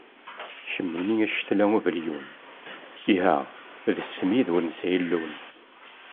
Kemmini a cetla n ubelyun, iha d smid ur nesɛi llun.